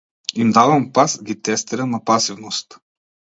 Им давам пас, ги тестирам на пасивност.